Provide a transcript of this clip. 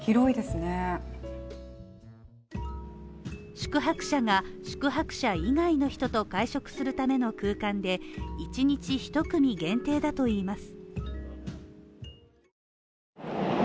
宿泊者が宿泊者以外の人と会食するための空間で１日１組限定だといいます。